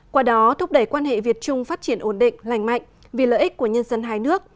qua đó thúc đẩy quan hệ việt trung phát triển ổn định lành mạnh vì lợi ích của nhân dân hai nước